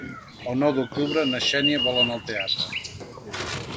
El nou d'octubre na Xènia vol anar al teatre.